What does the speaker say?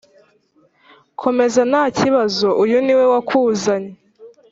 Komeza nta kibazo uyu ni we wakuzanye